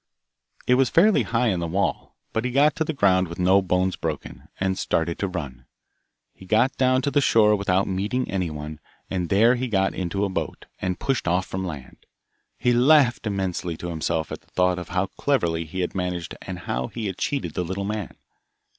It was fairly high in the wall, but he got to the ground with no bones broken, and started to run. He got down to the shore without meeting anyone, and there he got into a boat, and pushed off from land. He laughed immensely to himself at the thought of how cleverly he had managed and how he had cheated the little man.